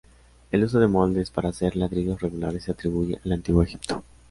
El uso de moldes para hacer ladrillos regulares se atribuye al Antiguo Egipto.